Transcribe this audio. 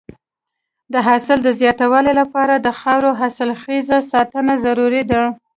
د حاصل د زیاتوالي لپاره د خاورې حاصلخېزۍ ساتنه ضروري ده.